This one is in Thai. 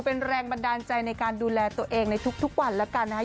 เป็นแรงบันดาลใจในการดูแลตัวเองในทุกวันแล้วกันนะคะ